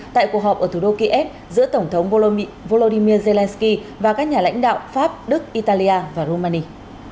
tại cuộc họp ở thủ đô kiev giữa tổng thống volodymyr zelensky và các nhà lãnh đạo pháp đức italia và rumani